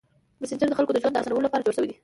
مسېنجر د خلکو د ژوند اسانولو لپاره جوړ شوی دی.